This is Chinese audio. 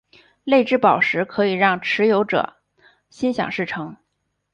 泪之宝石可以让持有者心想事成。